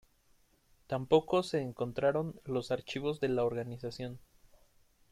Tampoco se encontraron los archivos de la organización.